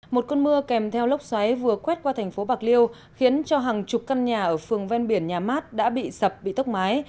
một cơn mưa kèm theo lốc xoáy vừa quét qua thành phố bạc liêu khiến cho hàng chục căn nhà ở phường ven biển nhà mát đã bị sập bị tốc mái